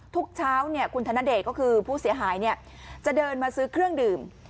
ทุกเช้าคุณธนเดชก็คือผู้เสียหายจะเดินมาซื้อเครื่องดื่ม